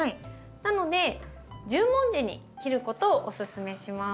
なので十文字に切ることをおすすめします。